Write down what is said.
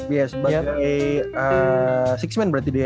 iya sebagai enam man berarti dia ya